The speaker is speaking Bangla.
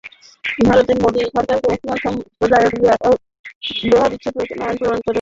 ভারতে মোদি সরকারকে মুসলমান সম্প্রদায়ের বিয়ে ও বিবাহবিচ্ছেদ পরিচালনার আইন প্রণয়ন করতে বলেছে।